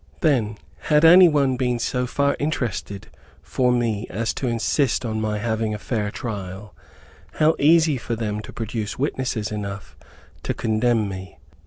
Then, had any one been so far interested for me as to insist on my having a fair trial, how easy for them to produce witnesses enough to condemn me!